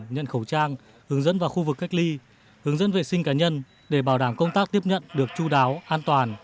nhận khẩu trang hướng dẫn vào khu vực cách ly hướng dẫn vệ sinh cá nhân để bảo đảm công tác tiếp nhận được chú đáo an toàn